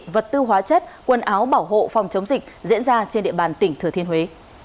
vật tư hóa chất quần áo bảo hộ phòng chống dịch diễn ra trên địa bàn tỉnh thừa thiên huế